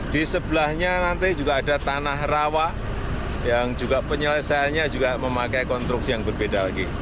di sebelahnya nanti juga ada tanah rawa yang juga penyelesaiannya juga memakai konstruksi yang berbeda lagi